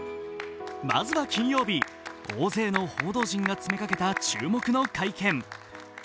まずは金曜日、大勢の報道陣が詰めかけた注目の会見。